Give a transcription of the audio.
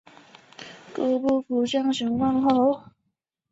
祖父曹安善。